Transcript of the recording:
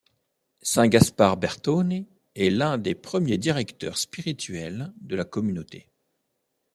Saint Gaspard Bertoni est l'un des premiers directeurs spirituels de la communauté.